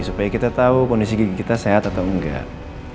supaya kita tahu kondisi gigi kita sehat atau enggak